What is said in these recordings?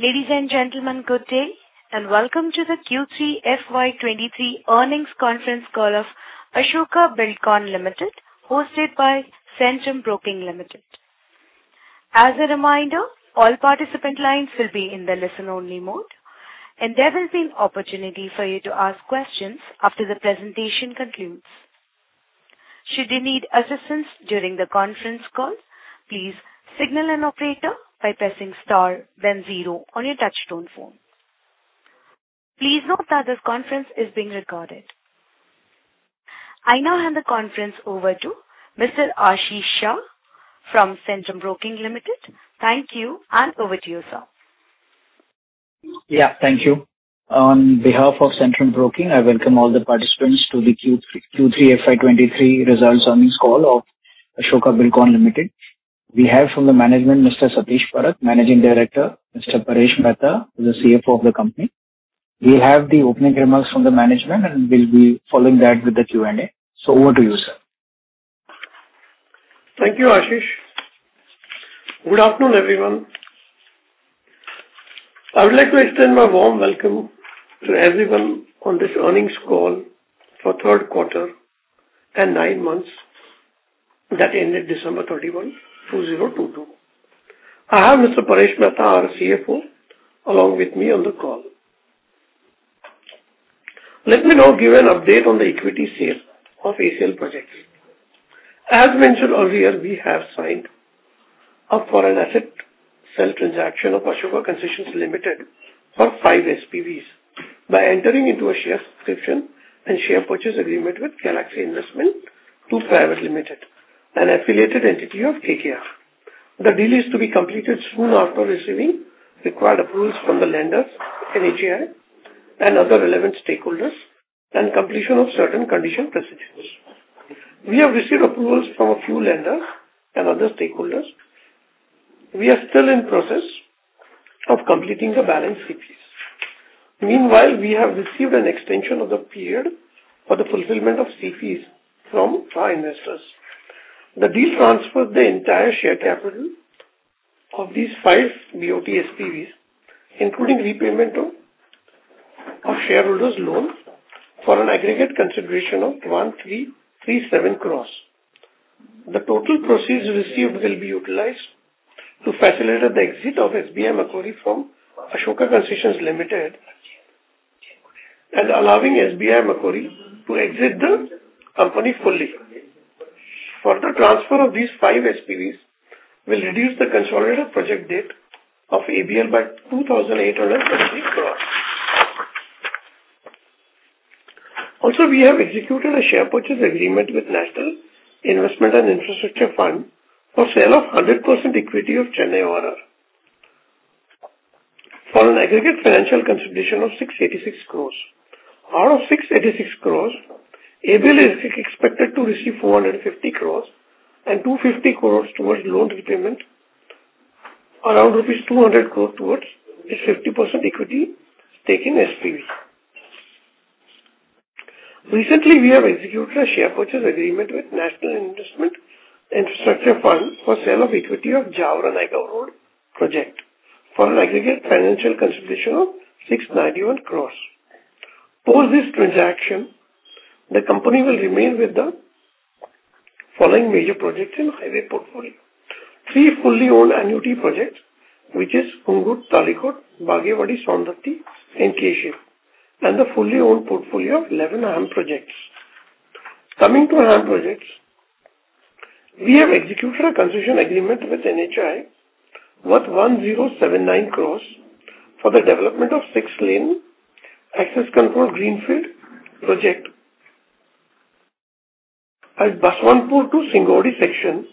Ladies and gentlemen, good day, welcome to the Q3 FY 2023 earnings conference call of Ashoka Buildcon Limited hosted by Centrum Broking Limited. As a reminder, all participant lines will be in the listen-only mode, there will be an opportunity for you to ask questions after the presentation concludes. Should you need assistance during the conference call, please signal an operator by pressing star then zero on your touch-tone phone. Please note that this conference is being recorded. I now hand the conference over to Mr. Ashish Shah from Centrum Broking Limited. Thank you, over to you, sir. Yeah, thank you. On behalf of Centrum Broking, I welcome all the participants to the Q3 FY 2023 results earnings call of Ashoka Buildcon Limited. We have from the management Mr. Satish Parakh, Managing Director, Mr. Paresh Mehta, who's the CFO of the company. We have the opening remarks from the management, We'll be following that with the Q&A. Over to you, sir. Thank you, Ashish Shah. Good afternoon, everyone. I would like to extend my warm welcome to everyone on this earnings call for third quarter and nine months that ended December 31, 2022. I have Mr. Paresh Mehta, our CFO, along with me on the call. Let me now give an update on the equity sale of ACL Projects. As mentioned earlier, we have signed up for an asset sale transaction of Ashoka Concessions Limited for five SPVs by entering into a share subscription and share purchase agreement with Galaxy Investment Two Private Limited, an affiliated entity of KKR. The deal is to be completed soon after receiving required approvals from the lenders and AGI and other relevant stakeholders and completion of certain condition precedents. We have received approvals from a few lenders and other stakeholders. We are still in process of completing the balance CPs. Meanwhile, we have received an extension of the period for the fulfillment of CPs from our investors. The deal transfers the entire share capital of these five BOT SPVs, including repayment of shareholders' loan for an aggregate consideration of 1,337 crores. The total proceeds received will be utilized to facilitate the exit of SBI Macquarie from Ashoka Concessions Limited and allowing SBI Macquarie to exit the company fully. The transfer of these five SPVs will reduce the consolidated project debt of ABL by 2,870 crores. We have executed a share purchase agreement with National Investment and Infrastructure Fund for sale of 100% equity of Chennai ORR. An aggregate financial consideration of 686 crores. Out of 686 crore, ABL is expected to receive 450 crore and 250 crore towards loan repayment and around rupees 200 crore towards the 50% equity stake in SPV. Recently, we have executed a share purchase agreement with National Investment and Infrastructure Fund for sale of equity of Jaora-Nayagaon Road project for an aggregate financial consideration of 691 crore. Post this transaction, the company will remain with the following major projects in highway portfolio. Three fully owned annuity projects, which is Hungund-Talikot, Bagewadi-Saundatti, and Khesur, and the fully owned portfolio of 11 HAM projects. Coming to HAM projects, we have executed a concession agreement with NHAI, worth 1,079 crore for the development of six-lane access-controlled greenfield project at Baswantpur to Singnodi section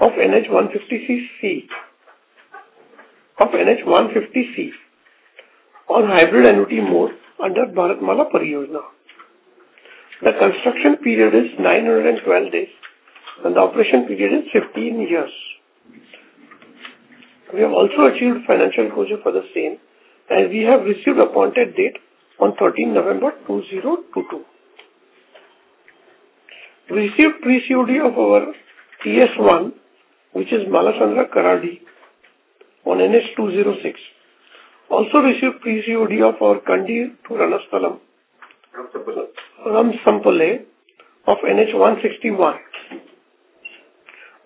of NH-150C on hybrid annuity mode under Bharatmala Pariyojana. The construction period is 912 days, and the operation period is 15 years. We have also achieved financial closure for the same. We have received appointed date on 13 November 2022. We received pre-COD of our TS1, which is Mallasandra-Karadi on NH-206. Also received pre-COD of our Kandi to Ramsanpalle of NH-161.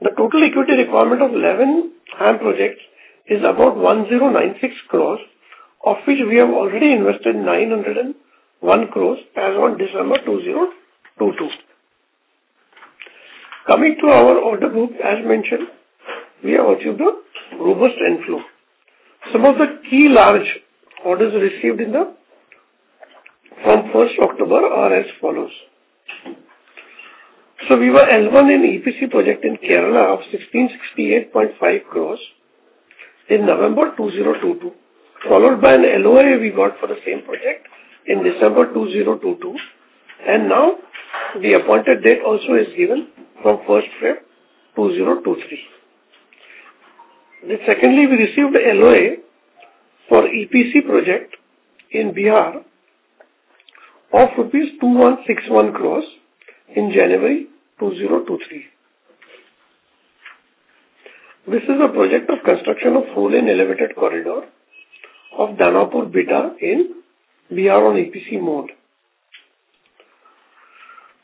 The total equity requirement of 11 HAM projects is about 1,096 crores, of which we have already invested 901 crores as on December 2022. Coming to our order book, as mentioned, we have achieved a robust inflow. Some of the key large orders received from first October are as follows. We were L1 in EPC project in Kerala of 1,668.5 crores in November 2022, followed by an LOA we got for the same project in December 2022. Now the appointed date also is given from 1st February 2023. Secondly we received LOA for EPC project in Bihar of INR 2,161 crores in January 2023. This is a project of construction of four lane elevated corridor of Danapur Bihta. We are on EPC mode.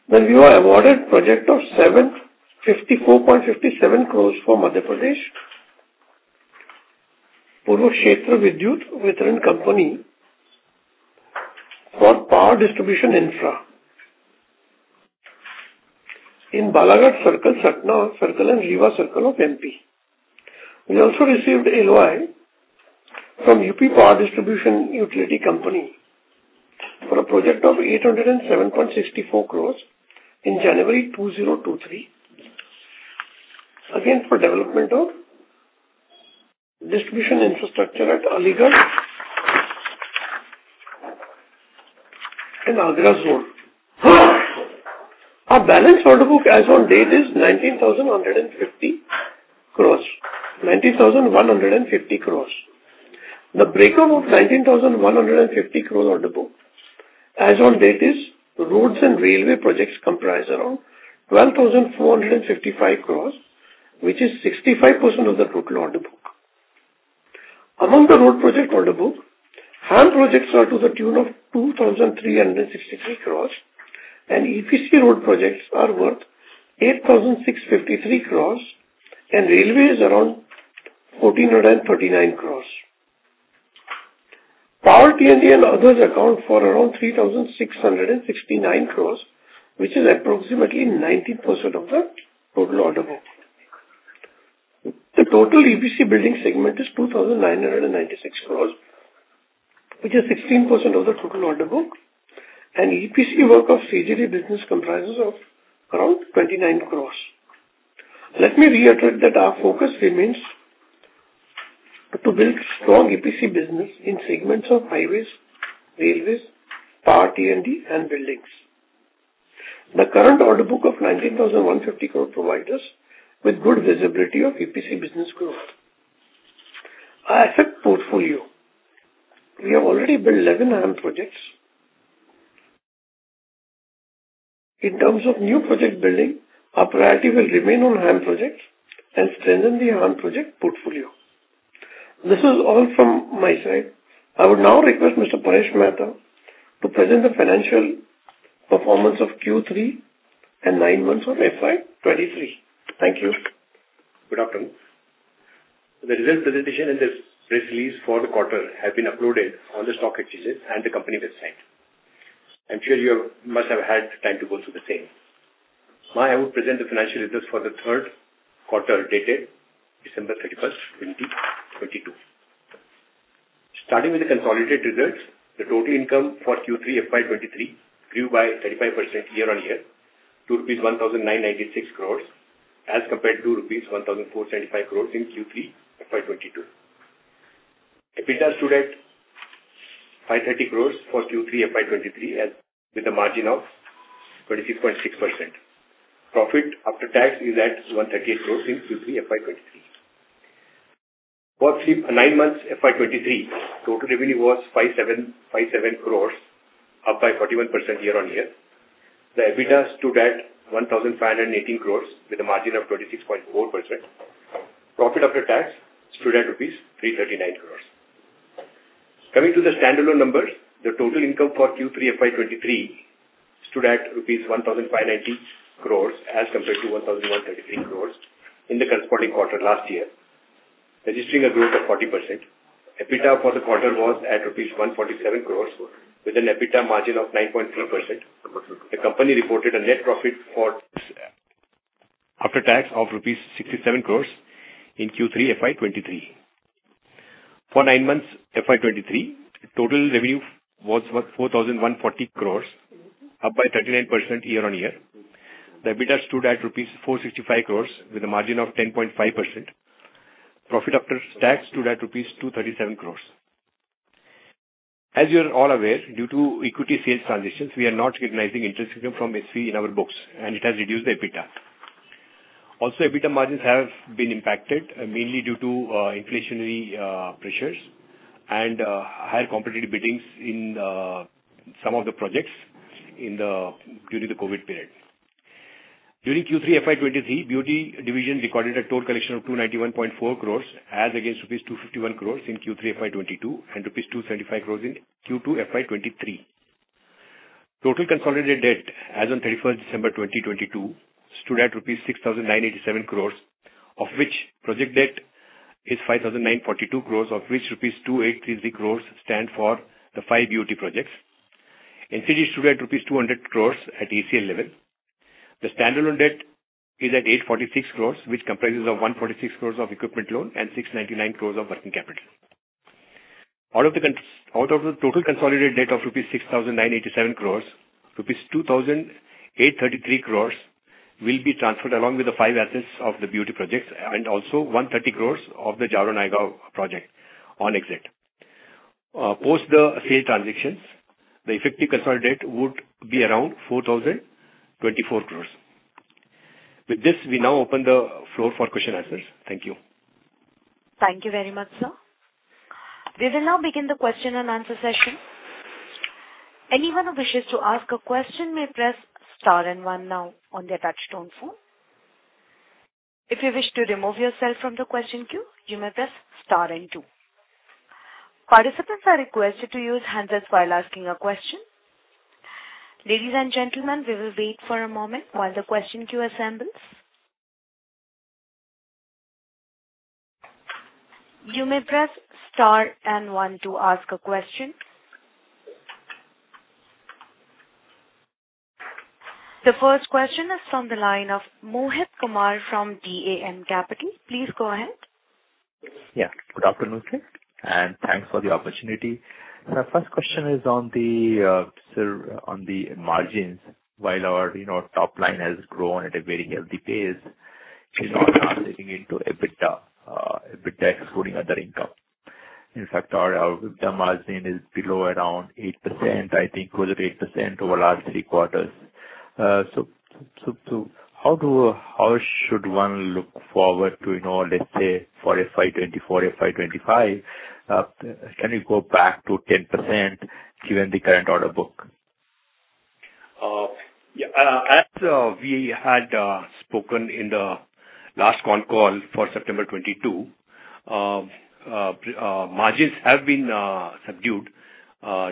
We were awarded project of 754.57 crores for Madhya Pradesh, Poorv Kshetra Vidyut Vitaran Company for power distribution infra in Balaghat circle, Satna circle, and Rewa circle of MP. We also received LOI from UP Power Distribution Utility Company for a project of 807.64 crores in January 2023, again for development of distribution infrastructure at Aligarh and Agra zone. Our balance order book as on date is 19,150 crores, 90,150 crores. The breakout of 19,150 crore order book as on date is roads and railway projects comprise around 12,455 crores, which is 65% of the total order book. Among the road project order book, HAM projects are to the tune of 2,363 crores and EPC road projects are worth 8,653 crores and railway is around 1,439 crores. Power T&D and others account for around 3,669 crore, which is approximately 19% of the total order book. The total EPC building segment is 2,996 crore, which is 16% of the total order book, and EPC work of CGD business comprises of around 29 crore. Let me reiterate that our focus remains to build strong EPC business in segments of highways, railways, power T&D and buildings. The current order book of 19,150 crore provide us with good visibility of EPC business growth. Our asset portfolio. We have already built 11 HAM projects. In terms of new project building, our priority will remain on HAM projects and strengthen the HAM project portfolio. This is all from my side. I would now request Mr. Paresh Mehta to present the financial performance of Q3 and nine months of FY 2023. Thank you. Good afternoon. The result presentation and this press release for the quarter have been uploaded on the stock exchanges and the company website. I'm sure you must have had time to go through the same. I will present the financial results for the third quarter dated December 31st, 2022. Starting with the consolidated results, the total income for Q3 FY 2023 grew by 35% year-on-year to rupees 1,996 crores as compared to rupees 1,475 crores in Q3 FY 2022. EBITDA stood at 530 crores rupees for Q3 FY 2023 as with a margin of 26.6%. Profit after tax is at 138 crores in Q3 FY 2023. For three nine months FY 2023, total revenue was 5,757 crores, up by 41% year-on-year. The EBITDA stood at rupees 1,518 crores with a margin of 26.4%. Profit after tax stood at rupees 339 crores. Coming to the standalone numbers, the total income for Q3 FY 2023 stood at rupees 1,590 crores as compared to rupees 1,133 crores in the corresponding quarter last year, registering a growth of 40%. EBITDA for the quarter was at rupees 147 crores with an EBITDA margin of 9.3%. The company reported a net profit for after tax of rupees 67 crores in Q3 FY 2023. For nine months FY 2023, total revenue was worth rupees 4,140 crores, up by 39% year-on-year. The EBITDA stood at rupees 465 crores with a margin of 10.5%. Profit after tax stood at rupees 237 crores. As you're all aware, due to equity sales transitions, we are not recognizing interest income from SE in our books, and it has reduced the EBITDA. EBITDA margins have been impacted mainly due to inflationary pressures and higher competitive biddings in some of the projects during the COVID period. During Q3 FY 2023, BOT division recorded a toll collection of 291.4 crores as against rupees 251 crores in Q3 FY 2022 and rupees 275 crores in Q2 FY 2023. Total consolidated debt as on 31st December 2022 stood at rupees 6,987 crores, of which project debt is 5,942 crores, of which rupees 2,833 crores stand for the 5 BOT projects. NCD stood at rupees 200 crores at ACA level. The standalone debt is at 846 crores, which comprises of 146 crores of equipment loan and 699 crores of working capital. Out of the total consolidated debt of 6,987 crores rupees, 2,833 crores rupees will be transferred along with the five assets of the BOT projects and also 130 crores of the Jaora-Nayagaon project on exit. Post the sale transactions, the effect to consolidated would be around 4,024 crores. With this, we now open the floor for question answers. Thank you. Thank you very much, sir. We will now begin the question and answer session. Anyone who wishes to ask a question may press star and one now on their touch-tone phone. If you wish to remove yourself from the question queue, you may press star and two. Participants are requested to use handles while asking a question. Ladies and gentlemen, we will wait for a moment while the question queue assembles. You may press star and one to ask a question. The first question is from the line of Mohit Kumar from DAM Capital. Please go ahead. Yeah. Good afternoon, sir, and thanks for the opportunity. My first question is on the, sir, on the margins. While our, you know, top line has grown at a very healthy pace, it's not translating into EBITDA excluding other income. In fact, our EBITDA margin is below around 8%, I think it was 8% over last three quarters. how should one look forward to, you know, let's say for FY 2024, FY 2025, can we go back to 10% given the current order book? Yeah. As we had spoken in the last concall for September 2022, margins have been subdued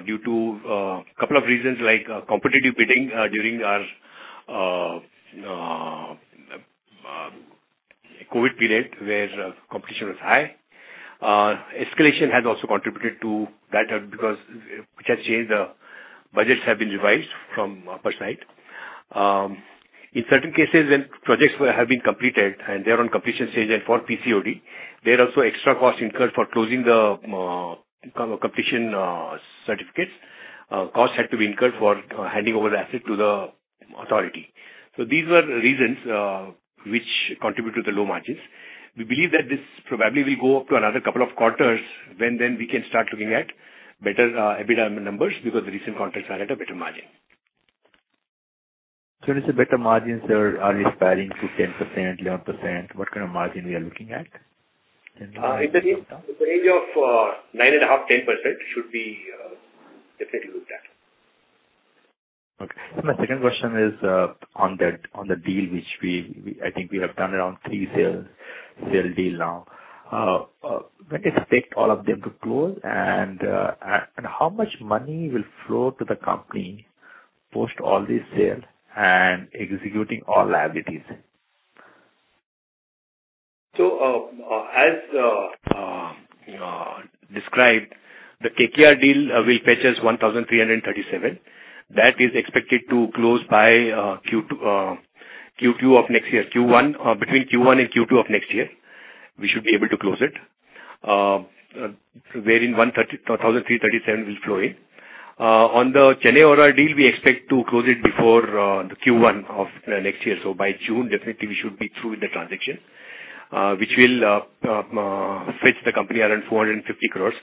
due to couple of reasons like competitive bidding during our COVID period where competition was high. Escalation has also contributed to that because which has changed, budgets have been revised from customer side. In certain cases when projects have been completed and they are on completion stage and for PCOD, there are also extra costs incurred for closing the completion certificates. Costs had to be incurred for handing over the asset to the authority. These were the reasons which contribute to the low margins. We believe that this probably will go up to another couple of quarters when then we can start looking at better EBITDA numbers because the recent contracts are at a better margin. Is it better margins are aspiring to 10%, 11%? What kind of margin we are looking at? In the range of 9.5%-10% should be definitely good data. Okay. My second question is, on the deal which we I think we have done around three sale deal now. When to expect all of them to close and how much money will flow to the company post all these sale and executing all liabilities? As described, the KKR deal will fetch us 1,337. That is expected to close by Q2 of next year. Q1, between Q1 and Q2 of next year, we should be able to close it. wherein 1,337 will flow in. on the Chennai ORR deal, we expect to close it before the Q1 of next year. by June definitely we should be through with the transaction, which will fetch the company around 450 crore.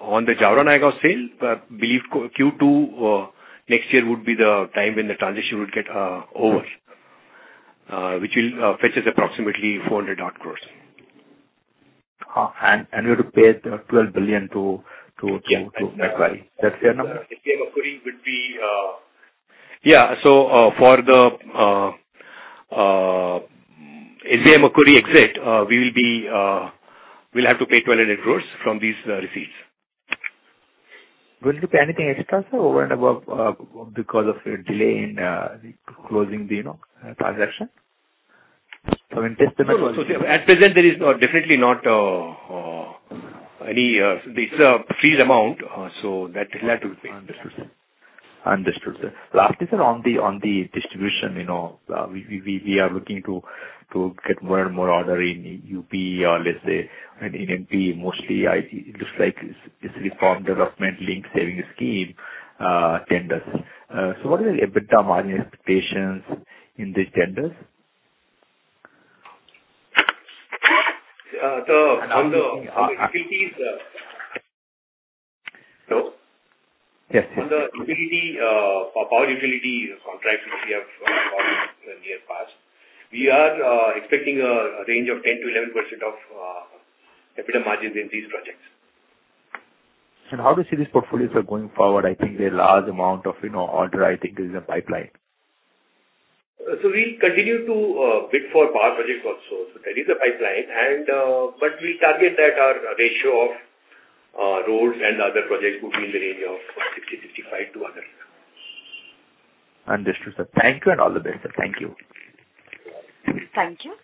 on the Jaora-Nayagaon sale, believe Q2, next year would be the time when the transition would get over, which will fetches approximately 400 odd crore. We have to pay 12 billion to. Yeah. -to Macquarie. That's their number? The SBI Macquarie would be. For the ACL Macquarie exit, we'll have to pay 1,200 crores from these receipts. Will you pay anything extra, sir, over and above, because of a delay in, closing the, you know, transaction? So in testament- At present there is definitely not any this is a fees amount that will have to be paid. Understood, sir. Understood, sir. Last question on the distribution, you know, we are looking to get more and more order in UP, or let's say, in MP mostly, I think it looks like it's from the government link saving scheme, tenders. What are the EBITDA margin expectations in these tenders? On the utilities- Yes. On the utility, power utility contracts which we have won in the near past, we are expecting a range of 10%-11% of EBITDA margins in these projects. How do you see these portfolios are going forward? I think there are large amount of, you know, order I think is in the pipeline. We'll continue to bid for power projects also. That is a pipeline and, but we target that our ratio of roads and other projects would be in the range of 60%-65% to other. Understood, sir. Thank you and all the best, sir. Thank you. Thank you.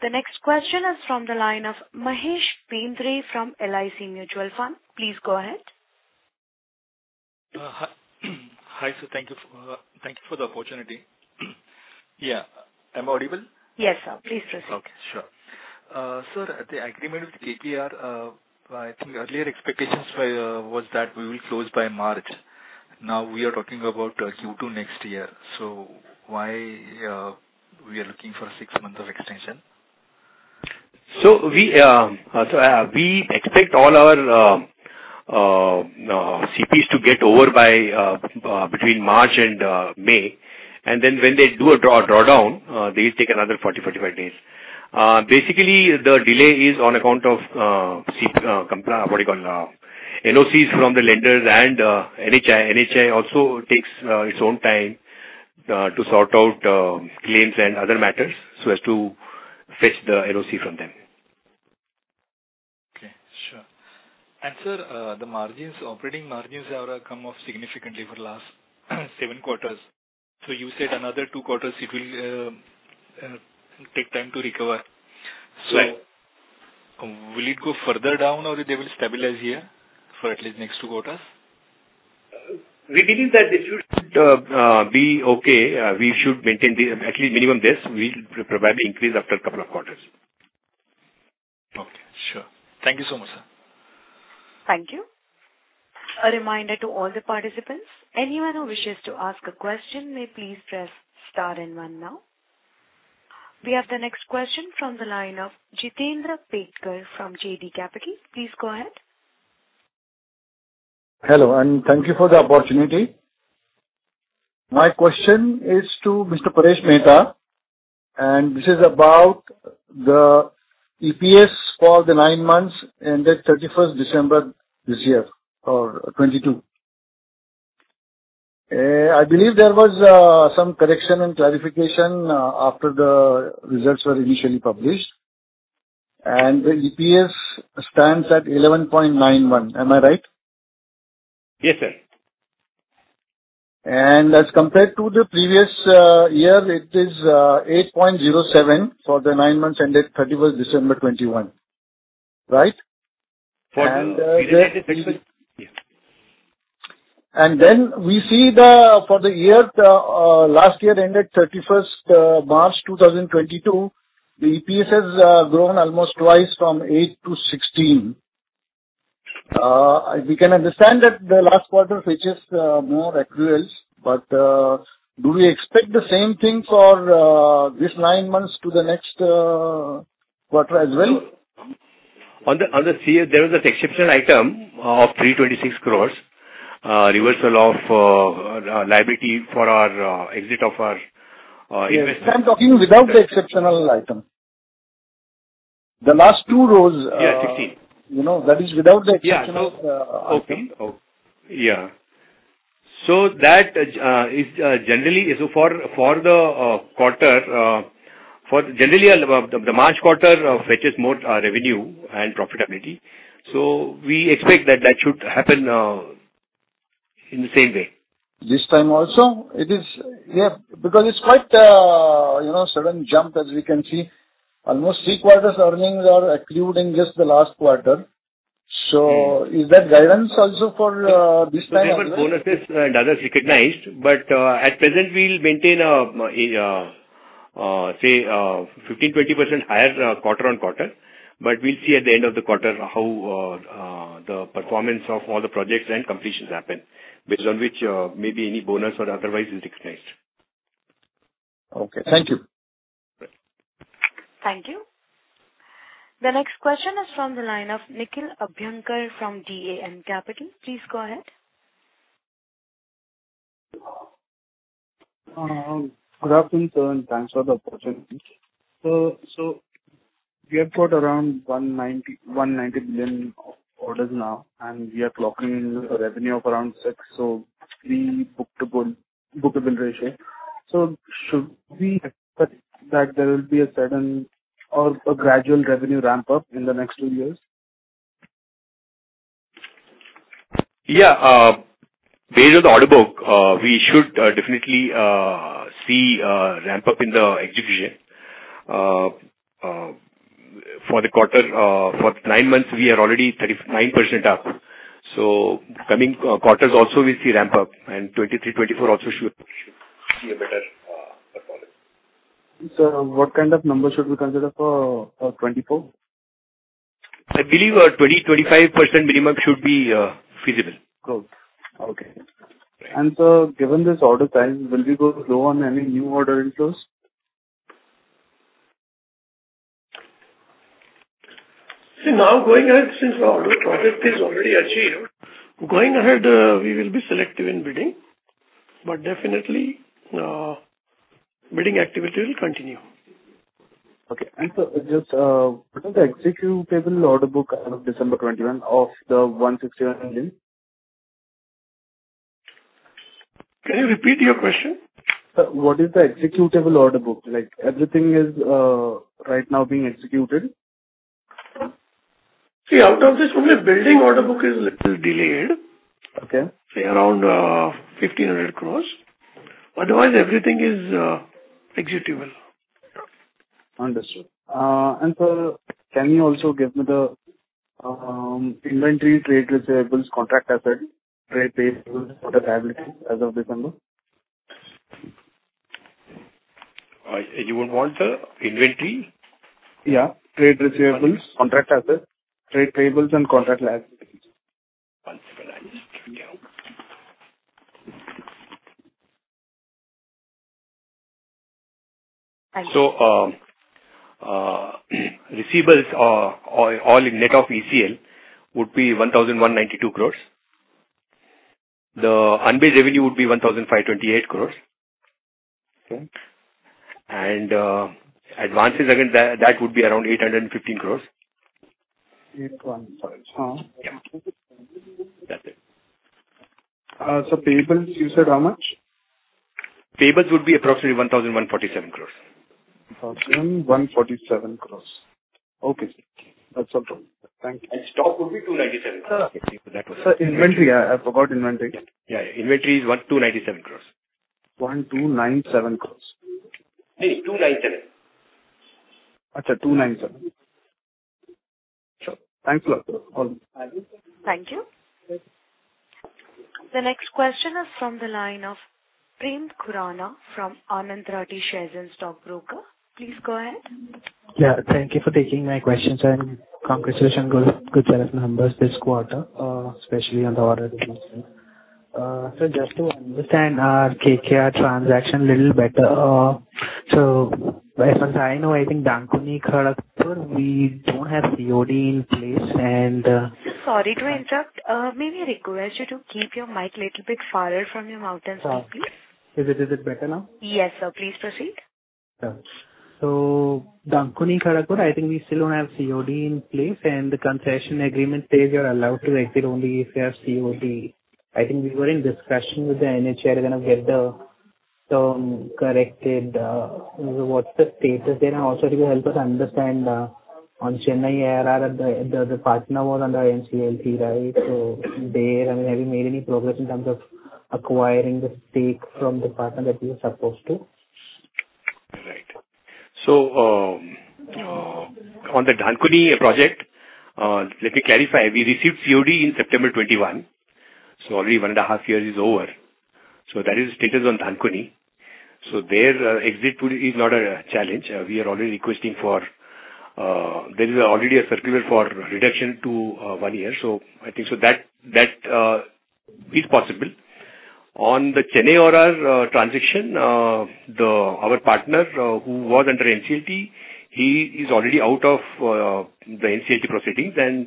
The next question is from the line of Mahesh Bendre from LIC Mutual Fund. Please go ahead. Hi, sir. Thank you. Thank you for the opportunity. Yeah. Am I audible? Yes, sir. Please proceed. Okay, sure. sir, the agreement with KKR, I think earlier expectations was that we will close by March. Now we are talking about Q2 next year. Why we are looking for six months of extension? We expect all our CPs to get over by between March and May. Then when they do a draw, a drawdown, they take another 40-45 days. Basically, the delay is on account of CP, what you call, NOCs from the lenders and NHAI. NHAI also takes its own time to sort out claims and other matters so as to fetch the NOC from them. Okay. Sure. Sir, the margins, operating margins have come off significantly for the last seven quarters. You said another two quarters it will take time to recover. Right. Will it go further down or they will stabilize here for at least next two quarters? We believe that they should be okay. We should maintain the at least minimum this. We'll probably increase after a couple of quarters. Okay. Sure. Thank you so much, sir. Thank you. A reminder to all the participants, anyone who wishes to ask a question may please press star and one now. We have the next question from the line of Jitendra Petkar from JD Capital. Please go ahead. Hello. Thank you for the opportunity. My question is to Mr. Paresh Mehta. This is about the EPS for the nine months ended 31st December this year or 2022. I believe there was some correction and clarification after the results were initially published. The EPS stands at 11.91%. Am I right? Yes, sir. As compared to the previous year, it is 8.07% for the nine months ended 31st December 2021, right? For the- And, uh, then- We did it. We see the, for the year, last year ended 31st March 2022, the EPS has grown almost twice from 8%-16%. We can understand that the last quarter fetches more accruals. Do we expect the same thing for this nine months to the next quarter as well? On the CA, there was an exceptional item of 326 crores, reversal of liability for our exit of our investment. Yes. I'm talking without the exceptional item. The last two rows. Yeah. 16%. You know, that is without the exceptional, item. Yeah. Okay. That is generally, for the quarter, Generally, the March quarter fetches more revenue and profitability. We expect that should happen in the same way. This time also it is. Yeah. Because it's quite, you know, sudden jump as we can see. Almost three quarters earnings are accrued in just the last quarter. Mm-hmm. Is that guidance also for this time as well? There were bonuses and others recognized. At present, we'll maintain a, say, 15%-20% higher, quarter-on-quarter. We'll see at the end of the quarter how the performance of all the projects and completions happen, based on which, maybe any bonus or otherwise is recognized. Okay. Thank you. Great. Thank you. The next question is from the line of Nikhil Abhyankar from DAM Capital. Please go ahead. Good afternoon, sir, and thanks for the opportunity. We have got around 190 billion orders now, and we are clocking a revenue of around 6, so three bookable ratio. Should we expect that there will be a certain or a gradual revenue ramp up in the next two years? Yeah, Based on the order book, we should definitely see a ramp up in the execution. For the quarter, for nine months we are already 39% up. Coming quarters also we see ramp up, and 2023, 2024 also should see a better performance. What kind of number should we consider for 2024? I believe, 20%-25% minimum should be feasible. Good. Okay. Great. Sir, given this order size, will we go low on any new order inflows? Now going ahead since the order project is already achieved, going ahead, we will be selective in bidding. Definitely, bidding activity will continue. Okay. Just what is the executable order book as of December 2021 of the 161 billion? Can you repeat your question? What is the executable order book like? Everything is right now being executed. See, out of this only building order book is a little delayed. Okay. Say around 1,500 crores. Otherwise everything is executable. Understood. Sir, can you also give me the inventory, trade receivables, contract assets, trade payables, order liabilities as of December? You want the inventory? Yeah. Trade receivables, contract assets, trade payables and contract liabilities. Receivables are all in net of ECL would be 1,192 crore. The unbilled revenue would be 1,528 crore. Okay? Advances, again, that would be around 815 crore. 815. [inaudible] Yeah. That's it. Payables you said how much? Payables would be approximately 1,147 crores. 1,147 crore. Okay, sir. That's all. Thank you. Stock would be 297. Sir, inventory. I forgot inventory. Yeah. Inventory is 197 crores. 1,297 crores. No, 297. Okay, 297. Sure. Thanks a lot. All the best. Thank you. The next question is from the line of Prem Khurana from Anand Rathi Share and Stock Brokers. Please go ahead. Yeah. Thank you for taking my questions and congratulations numbers this quarter, especially on the order. Just to understand, KKR transaction a little better. As far as I know, I think Dankuni Kharagpur, we don't have COD in place. Sorry to interrupt. May we request you to keep your mic little bit farther from your mouth and speak, please? Sure. Is it better now? Yes, sir. Please proceed. Sure. Dankuni Kharagpur, I think we still don't have COD in place and the concession agreement says you're allowed to exit only if you have COD. I think we were in discussion with the NHAI. We're gonna get the corrected. What's the status there now? Also to help us understand on Chennai ORR, the partner was under NCLT, right? There, I mean, have you made any progress in terms of acquiring the stake from the partner that we were supposed to? Right. On the Dankuni project, let me clarify. We received COD in September 2021, already one and a half year is over. That is the status on Dankuni. There, exit is not a challenge. We are already requesting for, there is already a circular for reduction to one year. I think so that is possible. On the Chennai ORR transition, our partner who was under NCLT, he is already out of the NCLT proceedings and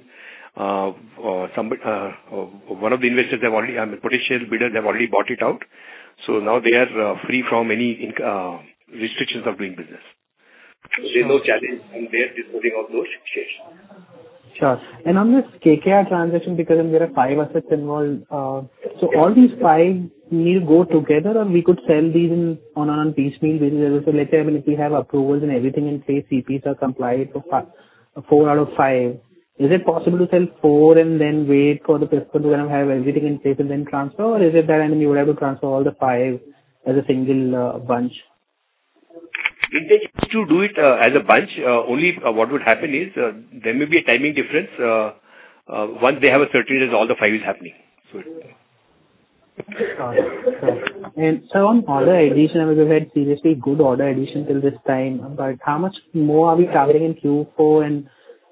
potential bidders have already bought it out. Now they are free from any restrictions of doing business. There's no challenge and they're disposing of those restrictions. Sure. On this KKR transaction, because there are five assets involved. All these five need to go together, or we could sell these in on a piecemeal basis? Let's say, I mean, if we have approvals and everything in place, CPs are complied for four out of five, is it possible to sell four and then wait for the fifth one to have everything in place and then transfer? Is it that, I mean, you would have to transfer all the five as a single bunch? Intention is to do it, as a bunch. Only what would happen is, there may be a timing difference. Once they have a certainty that all the five is happening. Good. On order addition, I mean, we've had seriously good order addition till this time. How much more are we covering in Q4 and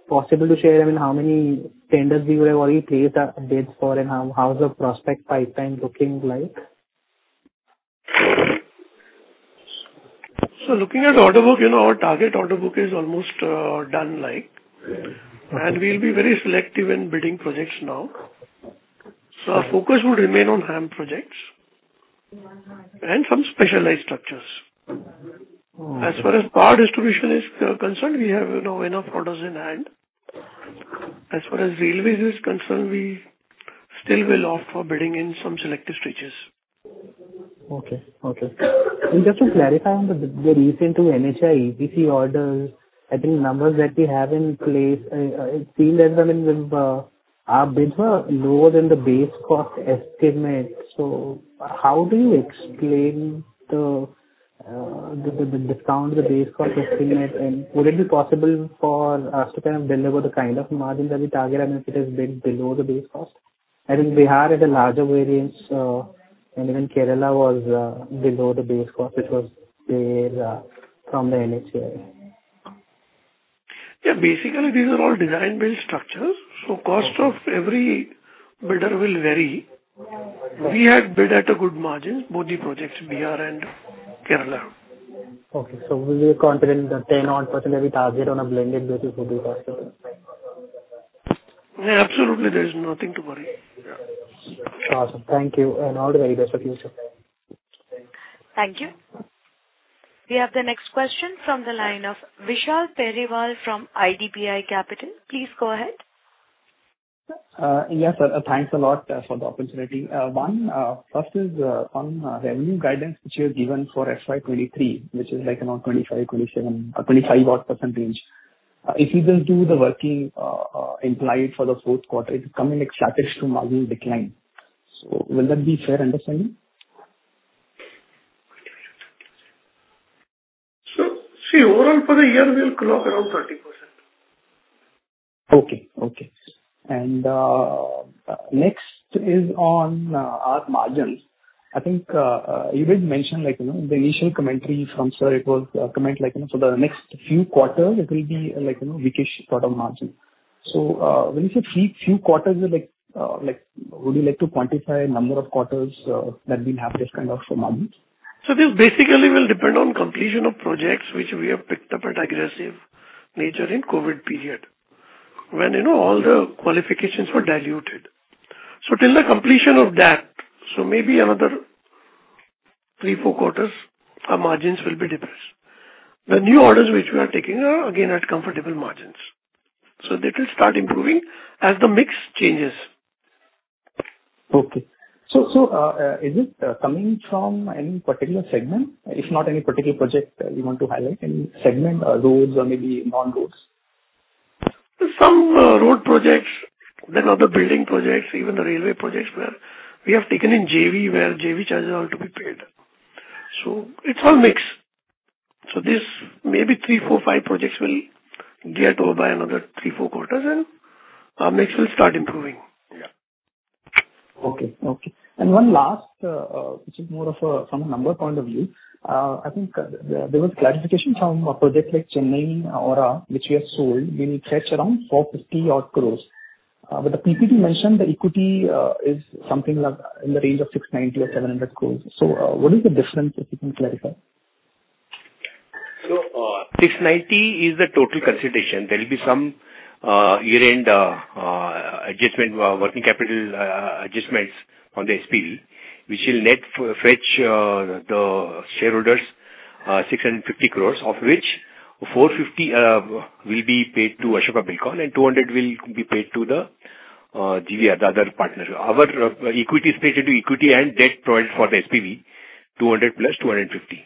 possible to share, I mean, how many tenders we would have already placed updates for and how is the prospect pipeline looking like? Looking at order book, you know, our target order book is almost done like. Mm-hmm. We'll be very selective in bidding projects now. Our focus would remain on HAM projects and some specialized structures. Mm. As far as power distribution is concerned, we have, you know, enough orders in hand. As far as railways is concerned, we still will opt for bidding in some selective stretches. Okay. Okay. Just to clarify on the recent two NHAI-EPC orders, I think numbers that we have in place, it seemed as well in Vimba, our bids were lower than the base cost estimate. How do you explain the, the discount, the base cost estimate? Would it be possible for us to kind of deliver the kind of margins that we target, I mean, if it is bid below the base cost? Bihar had a larger variance, and even Kerala was below the base cost, which was there from the NHAI. Yeah. Basically, these are all design-build structures. Cost of every builder will vary. We had bid at a good margin, both the projects, Bihar and Kerala. Will you be confident the 10% that we target on a blended basis would be possible? Yeah, absolutely. There is nothing to worry. Yeah. Awesome. Thank you. All the very best for you, sir. Thank you. We have the next question from the line of Vishal Periwal from IDBI Capital. Please go ahead. Yes. Thanks a lot for the opportunity. One, first is on revenue guidance which you have given for FY 2023, which is like around 25%, 27%, 25% odd range. If we will do the working implied for the fourth quarter, it is coming like statutes to margin decline. Will that be fair understanding? See, overall for the year we'll clock around 30%. Okay. Okay. Next is on our margins. I think, you did mention like, you know, the initial commentary from sir, it was comment like, you know, for the next few quarters it will be like, you know, weak-ish sort of margin. When you say few quarters, like would you like to quantify number of quarters that we have this kind of margins? This basically will depend on completion of projects which we have picked up at aggressive nature in COVID period when, you know, all the qualifications were diluted. Till the completion of that, maybe another three, four quarters, our margins will be depressed. The new orders which we are taking are again at comfortable margins. That will start improving as the mix changes. Okay. So, is it coming from any particular segment? If not any particular project, you want to highlight any segment, roads or maybe non-roads? Some road projects, other building projects, even the railway projects where we have taken in JV where JV charges are to be paid. It's all mixed. This maybe three, four, five projects will get over by another three, four quarters and our mix will start improving. Yeah. Okay. Okay. One last, which is more of a from a number point of view. I think there was clarification from a project like Chennai ORR, which we have sold, we will fetch around 450 odd crores. The PPT mentioned the equity is something like in the range of 690 or 700 crores. What is the difference, if you can clarify? 690 crores is the total consideration. There will be some year-end adjustment, working capital adjustments on the SPV, which will net fetch the shareholders 650 crore, of which 450 will be paid to Ashoka Buildcon and 200 will be paid to the JV, the other partner. Our equity is paid into equity and debt provided for the SPV, 200 plus 250.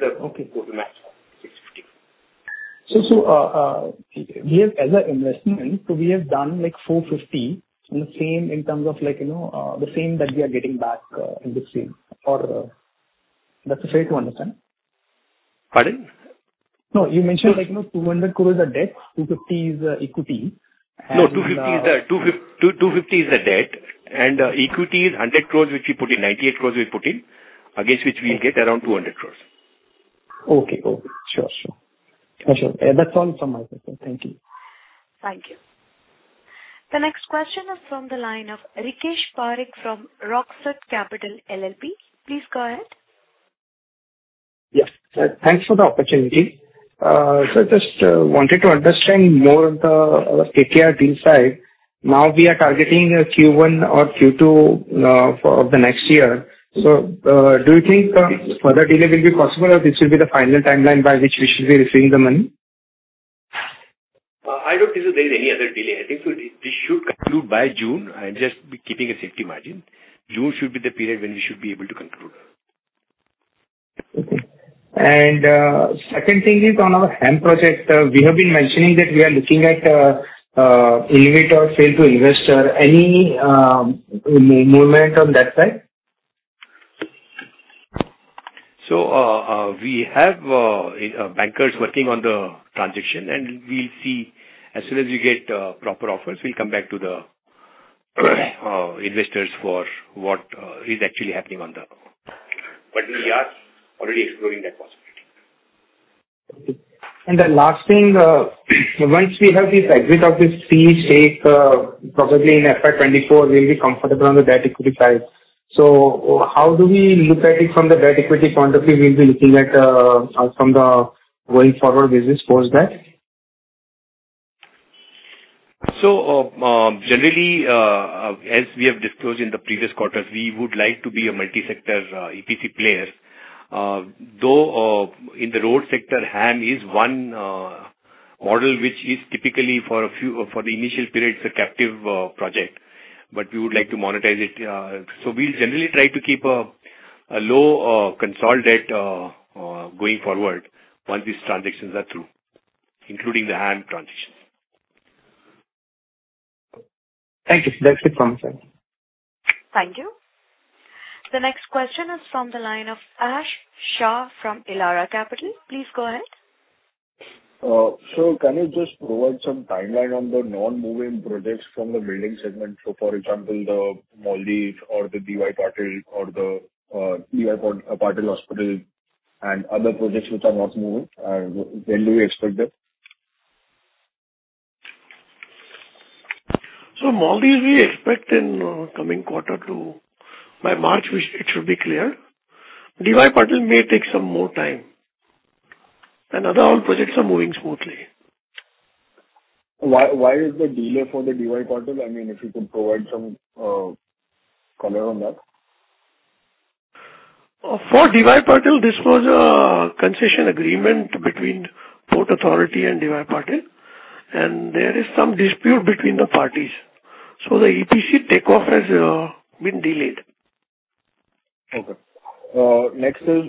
Okay. Total match 650. We have as an investment, so we have done like 450 in the same in terms of like, you know, the same that we are getting back in this field. That's a fair to understand? Pardon? No, you mentioned like, you know, 200 crores are debt, 250 is equity. No, 250 is the debt. Equity is 100 crore which we put in, 98 crore we put in, against which we will get around 200 crores. Okay. Okay. Sure, sure. Sure, sure. That's all from my side, sir. Thank you. Thank you. The next question is from the line of Rikesh Parikh from Rockstud Capital LLP. Please go ahead. Yes. Thanks for the opportunity. just wanted to understand more of the KKR deal side. Now we are targeting Q1 or Q2 for of the next year. Do you think further delay will be possible or this will be the final timeline by which we should be receiving the money? I don't think there is any other delay. I think we should conclude by June. I'm just keeping a safety margin. June should be the period when we should be able to conclude. Okay. Second thing is on our HAM project. We have been mentioning that we are looking at, innovate or sale to investor. Any movement on that side? We have bankers working on the transaction and we'll see. As soon as we get proper offers, we'll come back to the investors for what is actually happening on the. We are already exploring that possibility. Okay. The last thing, once we have this exit of this fee take, probably in FY 2024, we'll be comfortable on the debt equity side. How do we look at it from the debt equity point of view we'll be looking at, from the way forward business post that? Generally, as we have disclosed in the previous quarters, we would like to be a multi-sector, EPC player. Though, in the road sector, HAM is one model which is typically for a few, for the initial period, it's a captive project, but we would like to monetize it. We'll generally try to keep a low, consolidated, going forward once these transactions are through, including the HAM transition. Thank you. That's it from my side. Thank you. The next question is from the line of Ash Shah from Elara Capital. Please go ahead. Can you just provide some timeline on the non-moving projects from the building segment? For example, the Maldives or the D.Y. Patil or the D.Y. Patil Hospital and other projects which are not moving, when do you expect them? Maldives we expect in coming quarter By March, it should be clear. D.Y. Patil may take some more time. Other all projects are moving smoothly. Why is the delay for the D.Y. Patil? I mean, if you could provide some color on that. For D.Y. Patil, this was a concession agreement between Port Authority and D.Y. Patil. There is some dispute between the parties. The EPC takeoff has been delayed. Okay. next is,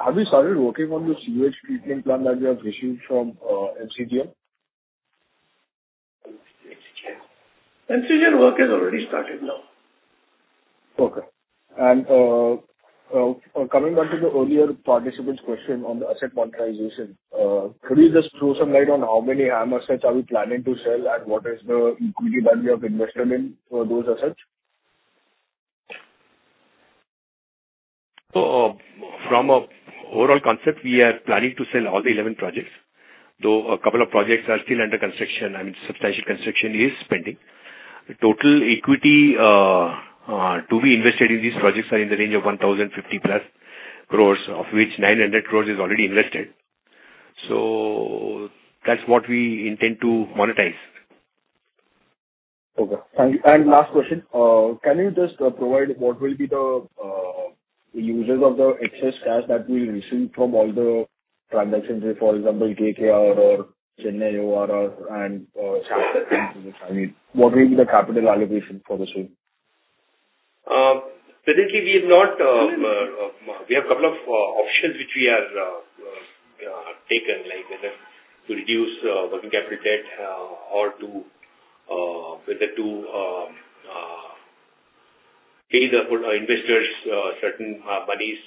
have you started working on the sewage treatment plant that you have received from, MCGM? MCGM. MCGM work has already started now. Okay. Coming back to the earlier participant's question on the asset monetization, could you just throw some light on how many assets are we planning to sell and what is the equity value of investment in those assets? From a overall concept, we are planning to sell all the 11 projects, though a couple of projects are still under construction. I mean, substantial construction is pending. The total equity to be invested in these projects are in the range of 1,050+ crores, of which 900 crores is already invested. That's what we intend to monetize. Okay. Thank you. Last question. Can you just provide what will be the uses of the excess cash that we received from all the transactions, say for example, KKR or Chennai ORR and I mean, what will be the capital allocation for the same? Typically we have not, we have a couple of options which we have taken, like whether to reduce working capital debt, or to whether to pay the investors certain monies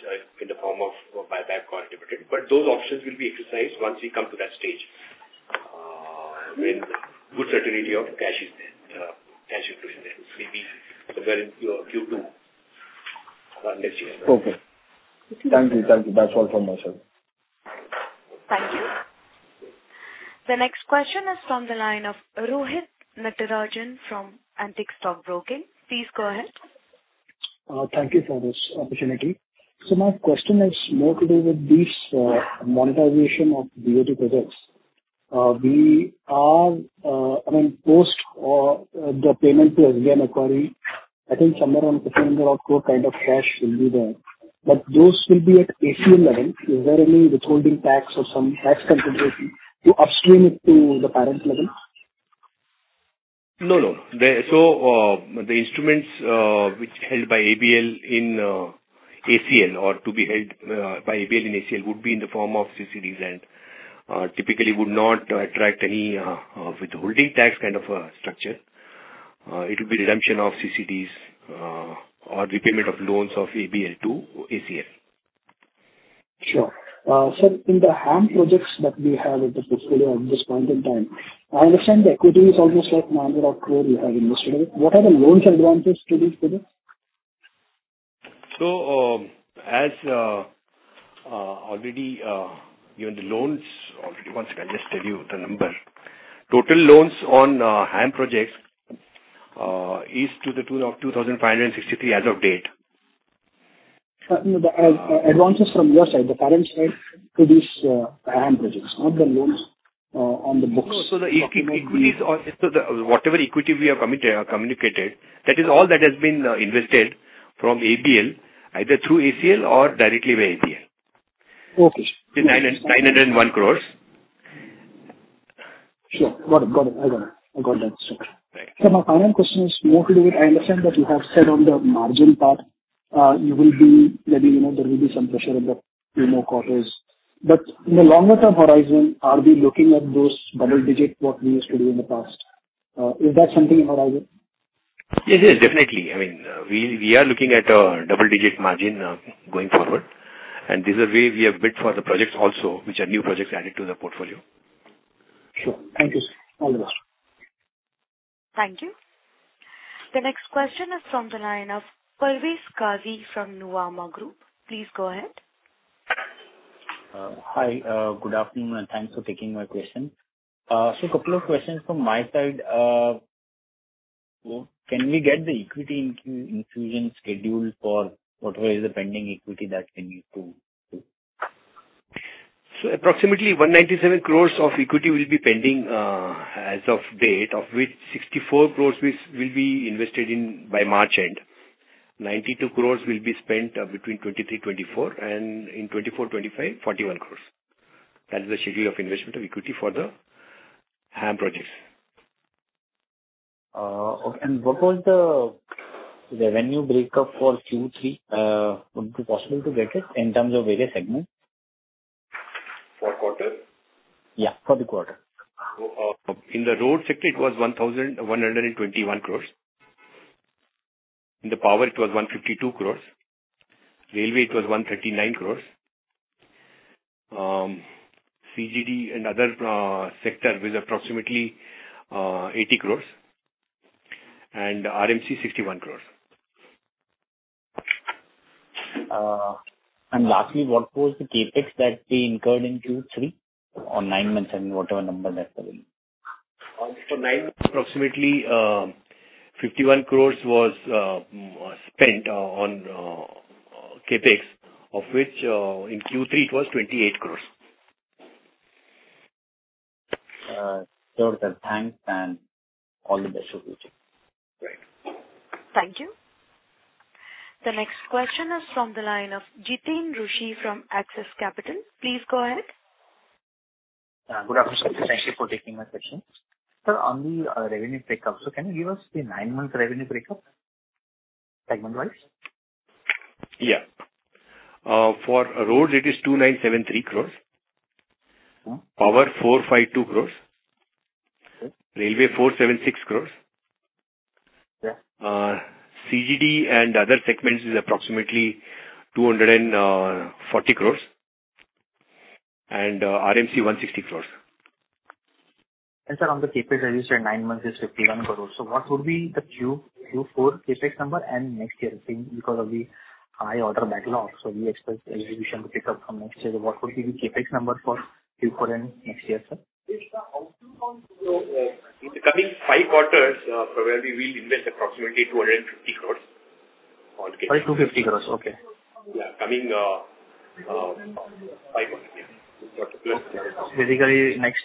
in the form of buyback or dividend. Those options will be exercised once we come to that stage, with good certainty of cash equivalent. Maybe somewhere in Q2, next year. Okay. Thank you. Thank you. That's all from myself. Thank you. The next question is from the line of Rohit Natarajan from Antique Stock Broking. Please go ahead. Thank you for this opportunity. My question is more to do with this, monetization of BOT projects. We are, I mean, post, the payment to SBI Macquarie, I think somewhere INR 1,500-odd crores of cash will be there. But those will be at ACL level. Is there any withholding tax or some tax consideration to upstream to the parent level? No, no. The instruments which are held by ABL in ACL or to be held by ABL in ACL would be in the form of CCDs and typically would not attract any withholding tax kind of structure. It would be redemption of CCDs or repayment of loans of ABL to ACL. Sure. sir, in the HAM projects that we have in the portfolio at this point in time, I understand the equity is almost like 900 crore we have invested in. What are the loans advances to this project? As given the loans already, one second, I'll just tell you the number. Total loans on HAM projects is to the tune of 2,563 as of date. No, the advances from your side, the current side to these HAM projects, not the loans on the books. No. The equity is, whatever equity we have committed or communicated, that is all that has been invested from ABL, either through ACL or directly via ABL. Okay. 901 crores. Sure. Got it. I got it. I got that. Right. My final question is more to do with, I understand that you have said on the margin part, you will be maybe, you know, there will be some pressure in the few more quarters. In the longer term horizon, are we looking at those double-digit what we used to do in the past? Is that something in horizon? Yes, yes, definitely. I mean, we are looking at a double-digit margin, going forward. This is the way we have bid for the projects also, which are new projects added to the portfolio. Sure. Thank you, sir. All the best. Thank you. The next question is from the line of Parvez Qazi from Nuvama Group. Please go ahead. Hi. Good afternoon, and thanks for taking my question. A couple of questions from my side. Can we get the equity inclusion schedule for whatever is the pending equity that we need to do? Approximately 197 crores of equity will be pending, as of date, of which 64 crores will be invested in by March end. 92 crores will be spent between 2023-2024, and in 2024-2025, 41 crores. That is the schedule of investment of equity for the HAM projects. Okay. What was the revenue breakup for Q3? Would it be possible to get it in terms of various segments? For quarter? Yeah, for the quarter. In the road sector it was 1,121 crores. In the power it was 152 crores. Railway it was 139 crores. CGD and other sector was approximately 80 crores. RMC 61 crores. lastly, what was the CapEx that we incurred in Q3 or nine months, I mean, whatever number that's available? For nine months, approximately, 51 crores was spent on CapEx, of which in Q3 it was 28 crores. Sure, sir. Thanks and all the best for future. Great. Thank you. The next question is from the line of Jiteen Rushe from Axis Capital. Please go ahead. Good afternoon, sir. Thank you for taking my question. Sir, on the revenue breakup. Can you give us the nine-month revenue breakup, segment-wise? Yeah. For roads it is 2,973 crores. Mm-hmm. Power, 452 crore. Okay. Railway, 476 crores. Yeah. CGD and other segments is approximately 240 crores. RMC 160 crores. Sir, on the CapEx, as you said, nine months is 51 crore. What would be the Q4 CapEx number and next year's thing because of the high order backlog, we expect execution to pick up from next year. What would be the CapEx number for Q4 and next year, sir? In the coming five quarters, probably we'll invest approximately 250 crores on CapEx. Only 250 crores? Okay. Yeah. Coming, five quarters, yeah. Basically, next,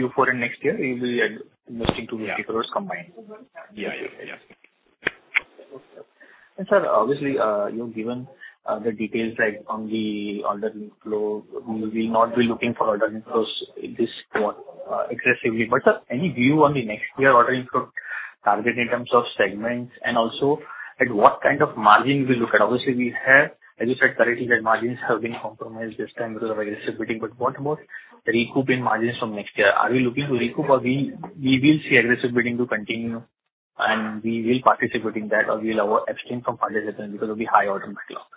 Q4 and next year you will be investing 250 crore combined. Yeah. Yeah. Yeah. Sir, obviously, you know, given, the details like on the order inflow, we will not be looking for order inflows this quarter, excessively. Sir, any view on the next year order inflow target in terms of segments and also at what kind of margin we look at. Obviously, we have, as you said correctly, that margins have been compromised this time because of aggressive bidding. What about recouping margins from next year? Are we looking to recoup or we will see aggressive bidding to continue, and we will participate within that, or abstain from participation because of the high order backlog? See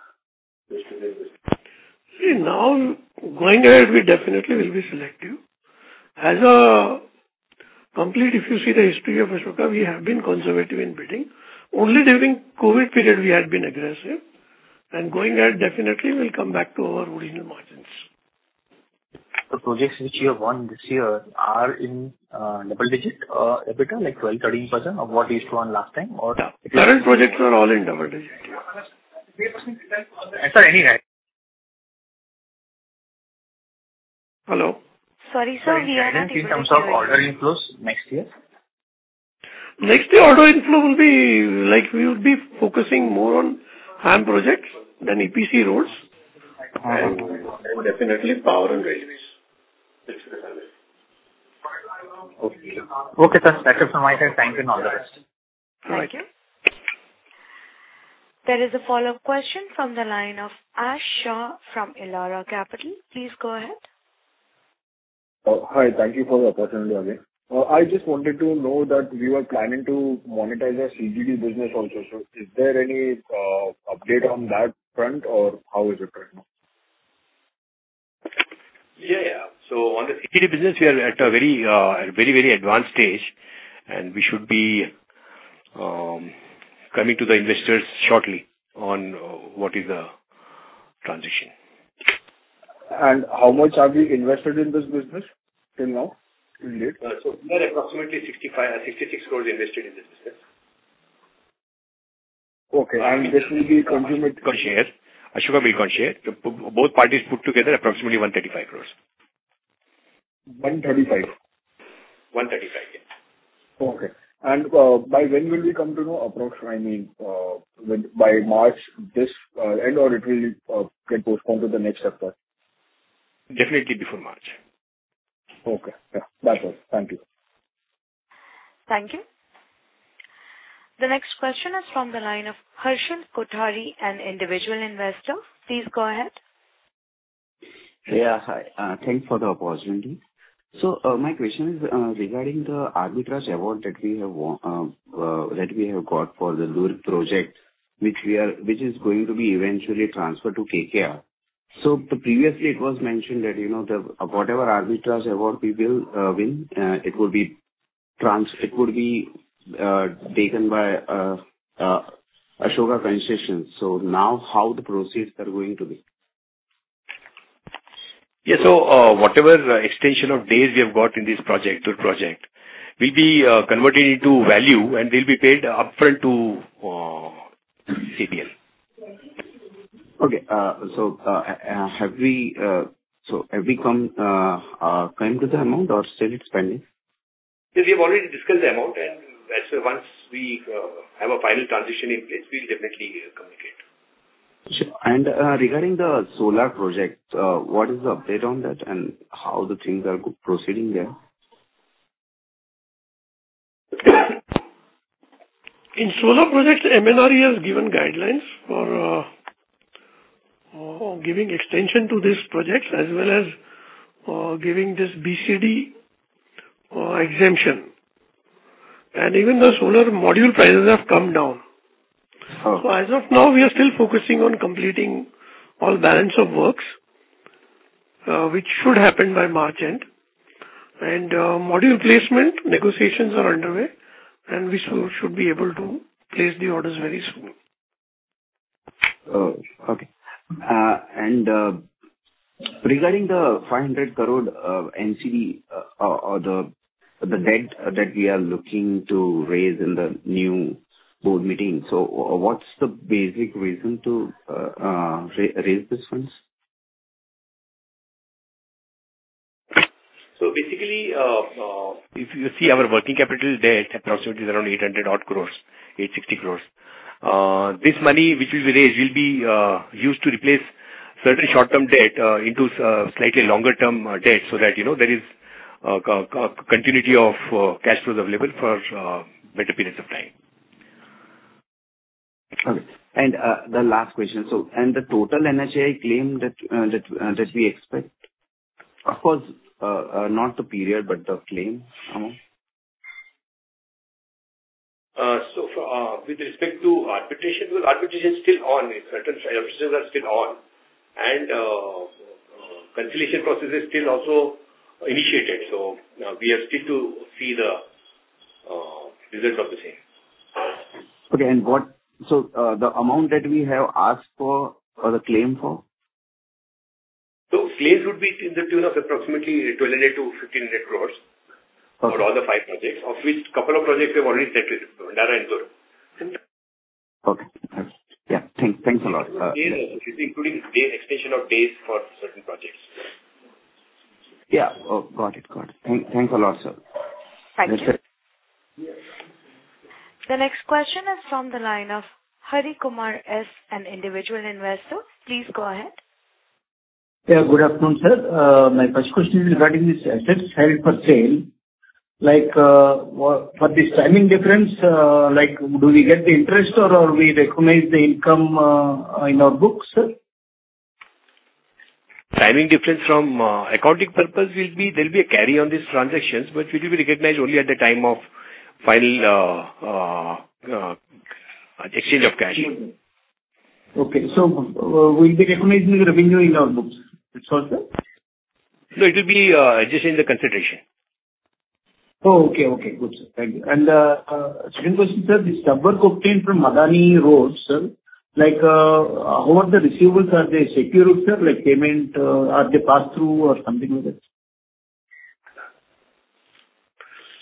now, going ahead, we definitely will be selective. As a complete, if you see the history of Ashoka, we have been conservative in bidding. Only during COVID period we had been aggressive. Going ahead, definitely we'll come back to our original margins. The projects which you have won this year are in, double digit, EBITDA, like 12%, 13% of what you used to won last time. Yeah. Current projects are all in double digit. Yeah. Sir. Hello. Sorry, sir. We are not able to hear you. Guidance in terms of order inflows next year. Next year order inflow will be like we would be focusing more on farm projects than EPC roads. Uh-huh. Definitely power and railways. Okay. Okay sir. That's it from my side. Thank you and all the best. All right. Thank you. There is a follow-up question from the line of Ash Shah from Elara Capital. Please go ahead. Hi. Thank you for the opportunity again. I just wanted to know that we were planning to monetize our CGD business also. Is there any update on that front or how is it right now? On the CGD business we are at a very, very advanced stage. We should be coming to the investors shortly on what is the transition. How much have you invested in this business till now, till date? Sir, approximately 65, 66 crores invested in this business. Okay. This will be consummate-. Ashoka Buildcon shares. Both parties put together approximately 135 crores. 135? 135, yeah. Okay. by when will we come to know approximately, when, by March this end, or it will get postponed to the next quarter? Definitely before March. Okay. Yeah. That's all. Thank you. Thank you. The next question is from the line of Harsh Kothari, an individual investor. Please go ahead. Hi, thanks for the opportunity. My question is regarding the arbitrage award that we have got for the rural project, which is going to be eventually transferred to KKR. Previously it was mentioned that, you know, the, whatever arbitrage award we will win, it will be taken by Ashoka Concessions. Now how the proceeds are going to be? Yeah. Whatever extension of days we have got in this project, rural project, we'll be converting into value and they'll be paid upfront to CBL. Okay. Have we come to the amount or still it's pending? We have already discussed the amount and once we have a final transition in place, we'll definitely communicate. Sure. regarding the solar project, what is the update on that and how the things are proceeding there? In solar projects, MNRE has given guidelines for giving extension to these projects as well as giving this BCD exemption. Even the solar module prices have come down. Oh. As of now, we are still focusing on completing all balance of works, which should happen by March end. Module placement negotiations are underway, and we should be able to place the orders very soon. Okay. Regarding the 500 crore of NCD, or the debt that we are looking to raise in the new board meeting. What's the basic reason to raise these funds? Basically, if you see our working capital debt, approximately around 800 odd crores, 860 crores. This money which we will raise will be used to replace certain short-term debt into slightly longer-term debt, so that, you know, there is continuity of cash flows available for better periods of time. Okay. The last question. The total NHAI claim that we expect, of course, not the period, but the claim amount? With respect to arbitration, well, arbitration is still on. Certain arbitrations are still on. Conciliation process is still also initiated. We are still to see the results of the same. Okay. The amount that we have asked for or the claim for? Claims would be in the tune of approximately 1,200 crore-1,500 crore. Okay. -for all the five projects, of which couple of projects we've already settled, Dandara and Gorum. Okay. Yeah. Thanks a lot. Including the extension of days for certain projects. Yeah. Oh, got it. thanks a lot, sir. Thank you. Yes, sir. The next question is from the line of Hari Kumar S, an individual investor. Please go ahead. Yeah, good afternoon, sir. My first question is regarding these assets held for sale. Like, for this timing difference, like, do we get the interest or we recognize the income in our books, sir? Timing difference from, accounting purpose will be there'll be a carry on these transactions, but it'll be recognized only at the time of final, exchange of cash. We'll be recognizing the revenue in our books. That's all, sir? It will be adjusted in the consideration. Okay. Okay. Good, sir. Thank you. Second question, sir, the stubborn obtained from Adani Roads, sir, like, how are the receivables? Are they secured, sir, like payment, are they passed through or something like that?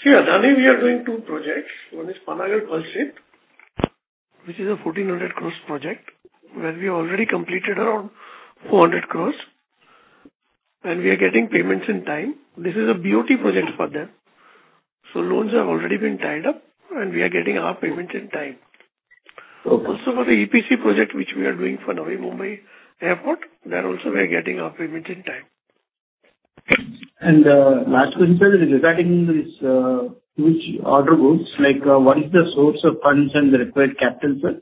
Adani, we are doing two projects. One is Panagarh Palsit, which is a 1,400 crores project, where we already completed around 400 crores and we are getting payments in time. This is a BOT project for them. Loans have already been tied up, and we are getting our payments in time. Okay. For the EPC project which we are doing for Navi Mumbai Airport, there also we are getting our payments in time. Last question, sir, is regarding this, huge order books, like, what is the source of funds and the required capital, sir?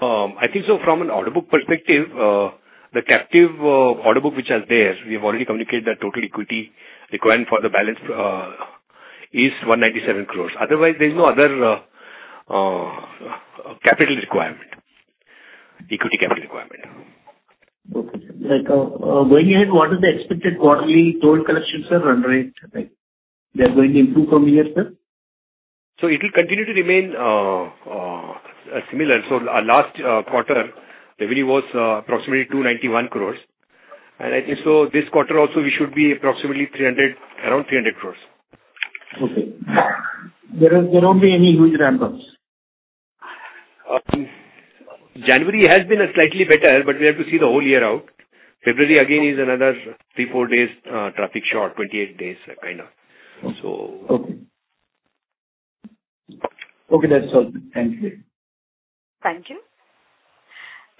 I think so from an order book perspective, the captive order book which are there, we have already communicated that total equity requirement for the balance, is 197 crores. Otherwise, there's no other capital requirement, equity capital requirement. Okay, sir. Like, going ahead, what is the expected quarterly toll collections or run rate? Like they are going to improve from here, sir? It will continue to remain similar. Our last quarter revenue was approximately 291 crores. I think so this quarter also we should be approximately 300, around 300 crores. Okay. There won't be any huge ramp ups. January has been slightly better, but we have to see the whole year out. February again is another three, four days, traffic short, 28 days, kind of. Okay. So... Okay. Okay, that's all. Thank you. Thank you.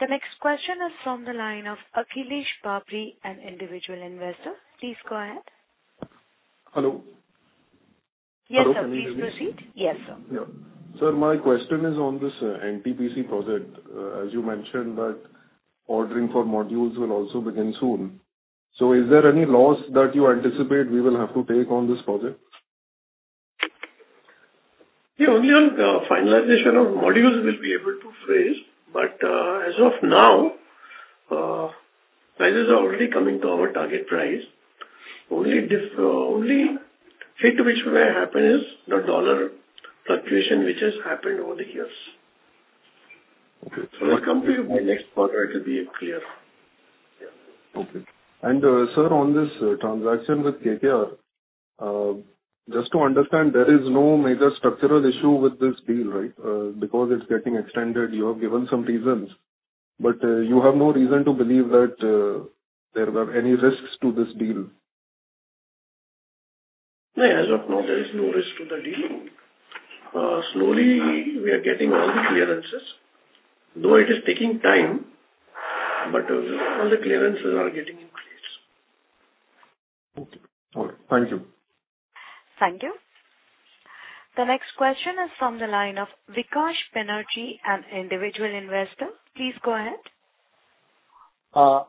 The next question is from the line of Akhilesh Babri, an individual investor. Please go ahead. Hello? Yes, sir. Please proceed. Hello, can you hear me? Yes, sir. Yeah. Sir, my question is on this NTPC project. As you mentioned that ordering for modules will also begin soon, is there any loss that you anticipate we will have to take on this project? Yeah. Only on finalization of modules we'll be able to face. As of now, prices are already coming to our target price. Only hit which may happen is the dollar fluctuation which has happened over the years. Okay. When it comes to the next quarter, it'll be clear. Yeah. Okay. Sir, on this transaction with KKR, just to understand, there is no major structural issue with this deal, right? Because it's getting extended, you have given some reasons, you have no reason to believe that, there are any risks to this deal. No, as of now, there is no risk to the deal. Slowly we are getting all the clearances. Though it is taking time, but all the clearances are getting in place. Okay. All right. Thank you. Thank you. The next question is from the line of Vikash Banerjee, an individual investor. Please go ahead. Sir,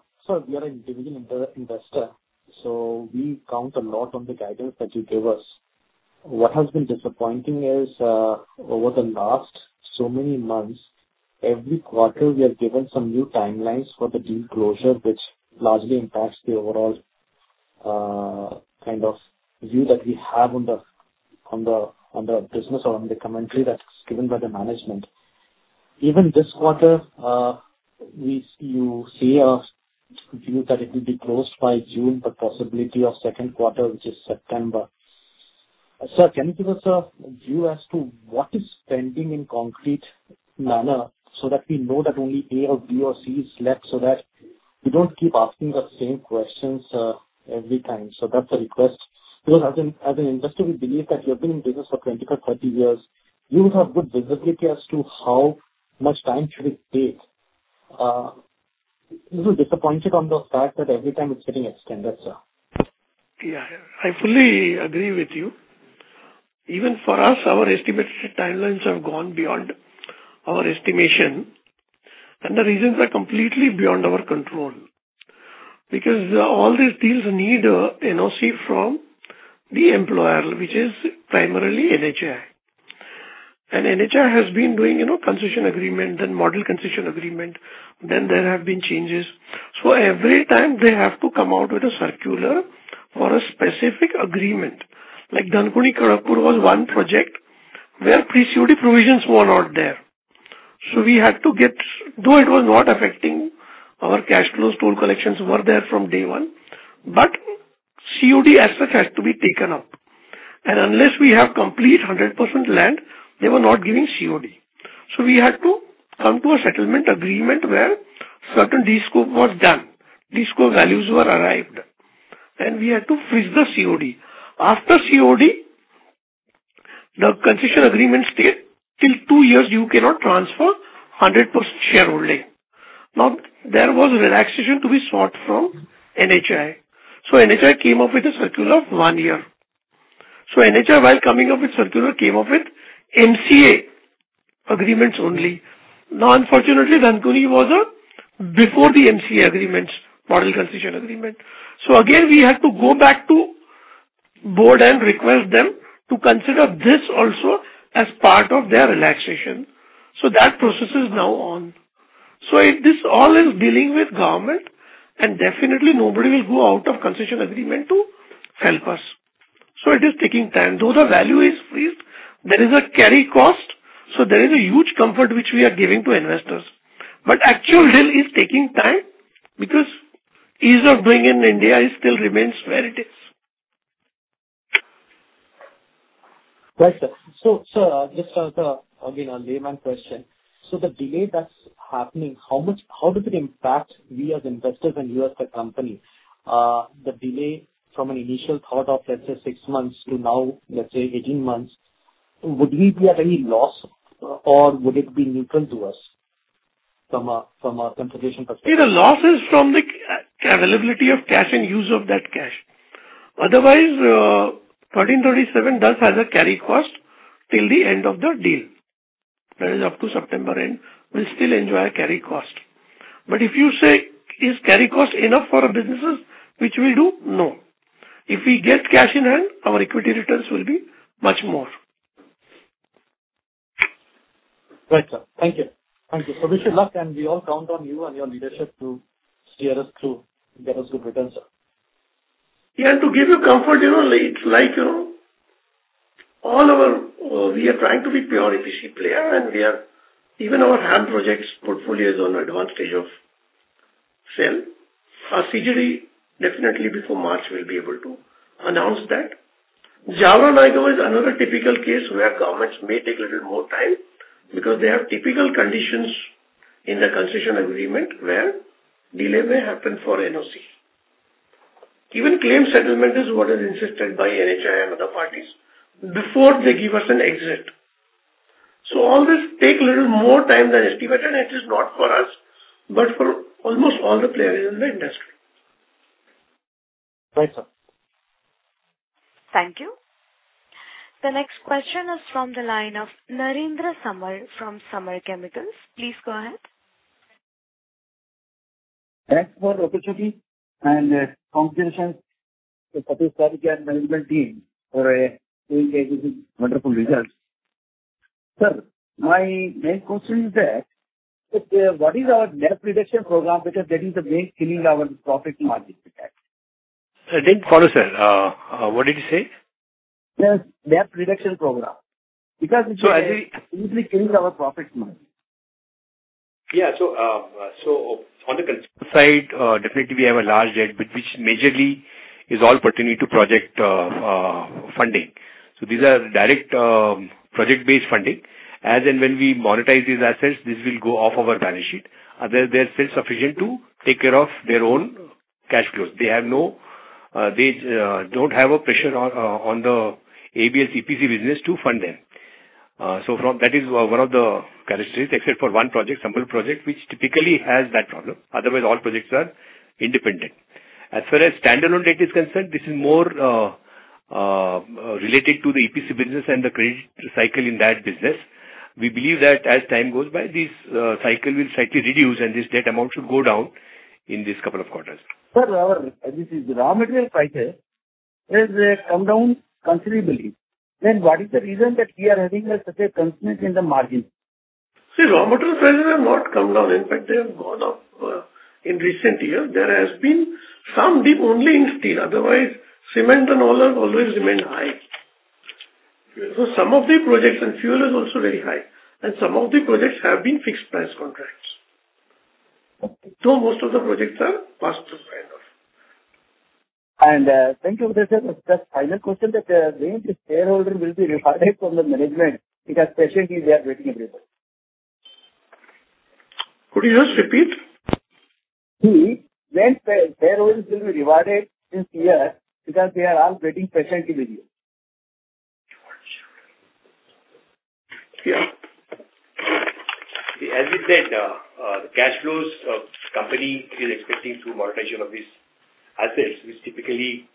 we are an individual investor, so we count a lot on the guidance that you give us. What has been disappointing is over the last so many months, every quarter we are given some new timelines for the deal closure, which largely impacts the overall kind of view that we have on the business or on the commentary that's given by the management. Even this quarter, you say view that it will be closed by June, but possibility of second quarter, which is September. Sir, can you give us a view as to what is pending in concrete manner so that we know that only A or B or C is left, so that we don't keep asking the same questions every time? That's a request. As an investor, we believe that you have been in business for 20-30 years. You would have good visibility as to how much time should it take. Little disappointed on the fact that every time it's getting extended, sir. I fully agree with you. Even for us, our estimated timelines have gone beyond our estimation, and the reasons are completely beyond our control. Because all these deals need a NOC from the employer, which is primarily NHAI. NHAI has been doing, you know, concession agreement, then model concession agreement. There have been changes. Every time they have to come out with a circular or a specific agreement. Like Dankuni Kharagpur was one project where pre-COD provisions were not there. Though it was not affecting our cash flows, toll collections were there from day one, but COD asset has to be taken up. Unless we have complete 100% land, they were not giving COD. We had to come to a settlement agreement where certain descope was done, descope values were arrived at, and we had to freeze the COD. After COD, the concession agreement state till two years you cannot transfer 100% shareholding. There was a relaxation to be sought from NHAI. NHAI came up with a circular of one year. NHAI, while coming up with circular, came up with MC agreements only. Unfortunately, Dankuni was a before the MC agreements, model concession agreement. Again, we had to go back to board and request them to consider this also as part of their relaxation. That process is now on. This all is dealing with government and definitely nobody will go out of concession agreement to help us. It is taking time. Though the value is freed, there is a carry cost, there is a huge comfort which we are giving to investors. Actual deal is taking time because ease of doing in India is still remains where it is. Right, sir. Sir, just as a, again, a layman question. The delay that's happening, how does it impact we as investors and you as the company? The delay from an initial thought of let's say six months to now, let's say 18 months, would we be at any loss or would it be neutral to us from a, from a compensation perspective? The loss is from the availability of cash and use of that cash. 1,337 does have a carry cost till the end of the deal. That is up to September end, we still enjoy carry cost. If you say, is carry cost enough for our businesses, which we do? No. If we get cash in hand, our equity returns will be much more. Right, sir. Thank you. Thank you. Okay. Wish you luck, and we all count on you and your leadership to steer us through and get us good returns, sir. Yeah. To give you comfort, you know, it's like, you know, We are trying to be pure EPC player, and Even our HAM projects portfolio is on advanced stage of sale. Our CGD, definitely before March, we'll be able to announce that. Jaora-Nayagaon is another typical case where governments may take a little more time because they have typical conditions in the concession agreement where delay may happen for NOC. Even claim settlement is what is insisted by NHAI and other parties before they give us an exit. All this take a little more time than estimated, and it is not for us, but for almost all the players in the industry. Right, sir. Thank you. The next question is from the line of Narendra Samar from Samar Chemicals. Please go ahead. Thanks for the opportunity and congratulations to Satish Parakh and management team for doing these wonderful results. Sir, my main question is that what is our debt reduction program? Because that is the main killing our profit margin. Sir, I didn't follow, sir. What did you say? Sir, debt reduction program. Because it is. So as we- simply killing our profits margin. Yeah. On the consumer side, definitely we have a large debt, which majorly is all pertaining to project funding. These are direct project-based funding. As and when we monetize these assets, this will go off our balance sheet. They're still sufficient to take care of their own cash flows. They have no, they don't have a pressure on the ABS EPC business to fund them. That is one of the characteristics, except for one project, Sambalpur project, which typically has that problem. Otherwise, all projects are independent. As far as standalone debt is concerned, this is more related to the EPC business and the credit cycle in that business. We believe that as time goes by, this cycle will slightly reduce and this debt amount should go down in this couple of quarters. Sir, this is raw material prices has come down considerably. what is the reason that we are having a such a constrained in the margin? Raw material prices have not come down. In fact, they have gone up in recent years. There has been some dip only in steel. Otherwise, cement and all have always remained high. Some of the projects, and fuel is also very high, and some of the projects have been fixed price contracts. Most of the projects are passed through right now. Thank you for that, sir. Just final question that when the shareholder will be rewarded from the management? Patiently we are waiting everybody. Could you just repeat? When shareholders will be rewarded this year? We are all waiting patiently with you. Yeah. As we said, cash flows of company is expecting through monetization of these assets, which typically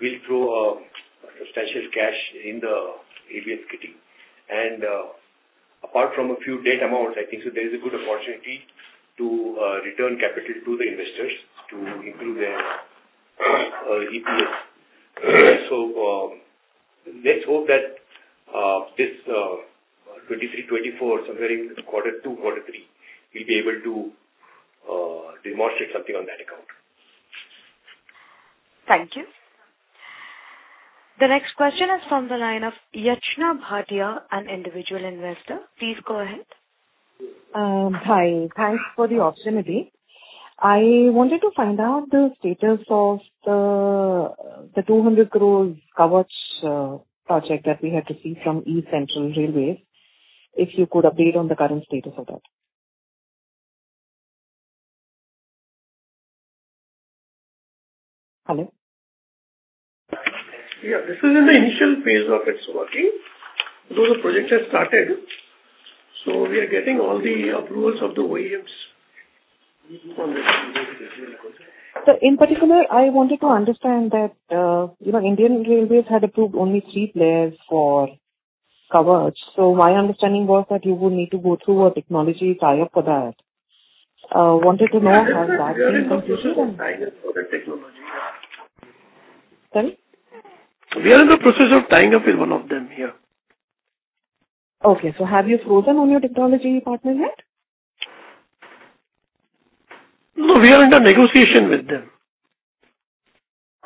will throw substantial cash in the ABL kitty. Apart from a few debt amounts, I think there is a good opportunity to return capital to the investors to improve their EPS. Let's hope that this 2023, 2024, somewhere in quarter two, quarter three, we'll be able to demonstrate something on that account. Thank you. The next question is from the line of Yachna Bhatia, an individual investor. Please go ahead. Hi. Thanks for the opportunity. I wanted to find out the status of the 200 crore Kavach project that we had to see from East Central Railway. If you could update on the current status of that. Hello? Yeah. This is in the initial phase of its working. The project has started. We are getting all the approvals of the OEMs. Sir, in particular, I wanted to understand that, you know, Indian Railways had approved only three players for Kavach. My understanding was that you would need to go through a technology tie-up for that. We are in the process of tying up with one of them, yeah. Okay. Have you frozen on your technology partner yet? No, we are in the negotiation with them.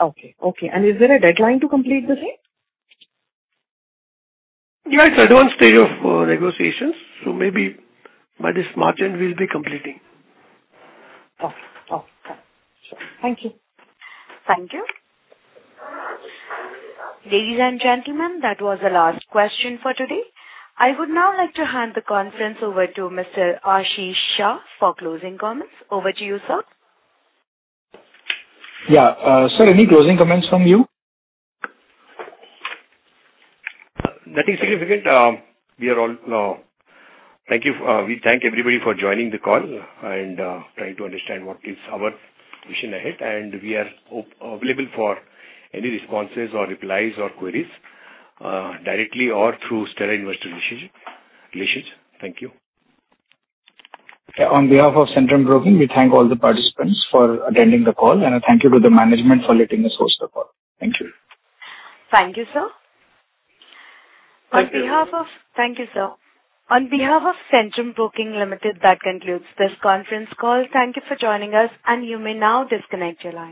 Okay. Okay. Is there a deadline to complete the same? Yeah, it's advanced stage of negotiations. Maybe by this March end we'll be completing. Okay. Okay. Thank you. Thank you. Ladies and gentlemen, that was the last question for today. I would now like to hand the conference over to Mr. Ashish Shah for closing comments. Over to you, sir. Sir, any closing comments from you? Nothing significant. We are all. Thank you. We thank everybody for joining the call and trying to understand what is our vision ahead, and we are available for any responses or replies or queries directly or through Stellar Investor Relations. Thank you. On behalf of Centrum Broking, we thank all the participants for attending the call, and a thank you to the management for letting us host the call. Thank you. Thank you, sir. Thank you. Thank you, sir. On behalf of Centrum Broking Limited, that concludes this conference call. Thank you for joining us. You may now disconnect your line.